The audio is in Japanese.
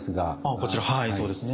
こちらはいそうですね。